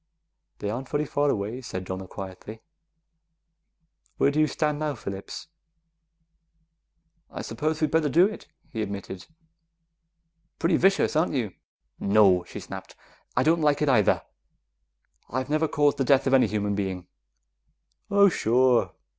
"They aren't very far away," said Donna quietly. "Where do you stand now, Phillips?" "I suppose we'd better do it," he admitted. "Pretty vicious, aren't you?" "No!" she snapped. "I don't like it either; I've never caused the death of any human being." "Oh, sure.